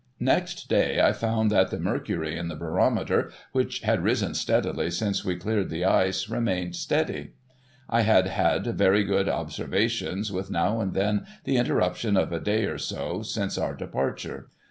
Next day, I found that the mercury in the barometer, which had risen steadily since we cleared the ice, remained steady. I had had very good observations, with now and then the interruption of a day or so, since our departure.